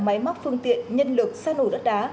mắc phương tiện nhân lực xa nổi đất đá